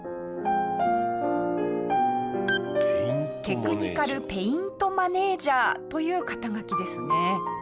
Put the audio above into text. テクニカルペイントマネージャーという肩書ですね。